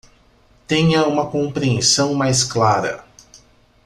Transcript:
Tenha uma compreensão mais clara